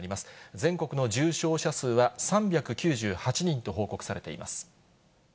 全国の重症者数は３９８人と報告されています。